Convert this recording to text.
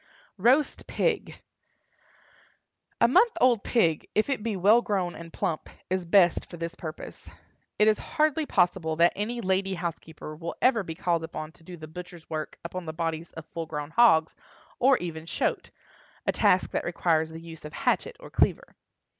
ROAST PIG. A month old pig, if it be well grown and plump, is best for this purpose. It is hardly possible that any lady housekeeper will ever be called upon to do the butcher's work upon the bodies of full grown hogs, or even "shoat"—a task that requires the use of hatchet or cleaver.